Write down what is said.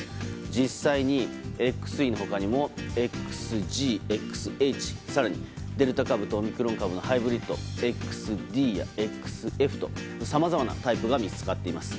実際に、ＸＥの他にもＸＧ、ＸＨ更にデルタ株とオミクロン株のハイブリッド、ＸＤやＸＦとさまざまなタイプが見つかっています。